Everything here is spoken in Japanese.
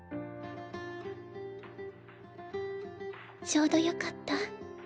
ちょうどよかった。